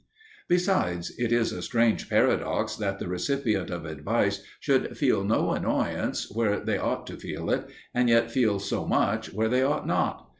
Besides, it is a strange paradox that the recipients of advice should feel no annoyance where they ought to feel it, and yet feel so much where they ought not.